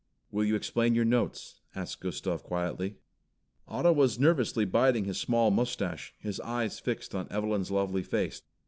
"Will you explain your notes?" asked Gustav quietly. Otto was nervously biting his small moustache, his eyes fixed on Evelyn's lovely face.